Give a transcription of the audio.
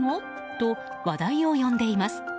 と話題を呼んでいます。